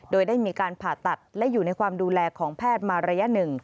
โดยได้มีการผ่าตัดและอยู่ในความดูแลของแพทย์มาระยะหนึ่ง